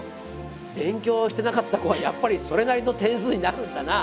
勉強してなかった子はやっぱりそれなりの点数になるんだな。